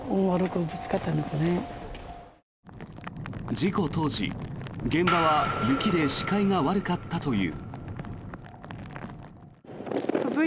事故当時、現場は雪で視界が悪かったという。